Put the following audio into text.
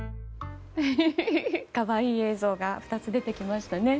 可愛い映像が２つ出てきましたね。